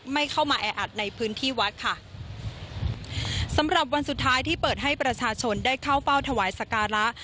ไม่เข้ามาแออัดในพื้นที่วัดค่ะสำหรับวันสุดท้ายที่เปิดให้ประชาชนได้เข้าเฝ้าถวายสการะ